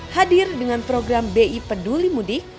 hadir dengan program bi peduli mudik